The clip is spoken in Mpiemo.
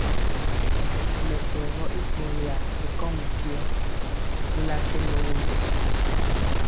Mɛtɛgɔ i ɓɔlya ri kɔŋ mpyɔ, bula kendɔ won.